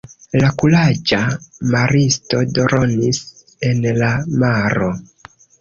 La kuraĝa maristo dronis en la maro.